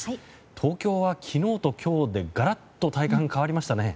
東京は昨日と今日でガラッと体感が変わりましたね。